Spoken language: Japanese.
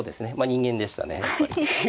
人間でしたねやっぱり。